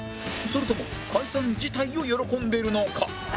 それとも解散自体を喜んでるのか？